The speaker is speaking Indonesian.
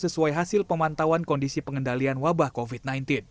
sesuai hasil pemantauan kondisi pengendalian wabah covid sembilan belas